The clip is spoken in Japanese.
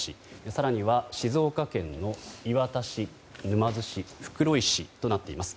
更には静岡県の磐田市、沼津市袋井市となっています。